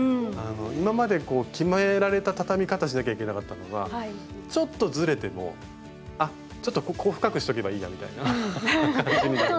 今まで決められた畳み方しなきゃいけなかったのがちょっとズレてもあっちょっとここを深くしとけばいいやみたいな感じに。